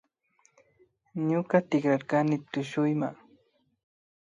Ñuka tikrarkani tushuyma